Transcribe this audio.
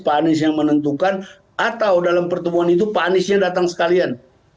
pak anies yang menentukan atau dalam pertemuan itu pak aniesnya datang sekalian